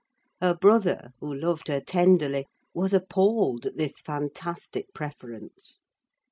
Her brother, who loved her tenderly, was appalled at this fantastic preference.